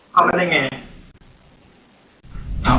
ขอบร้อยเข้าไปไหน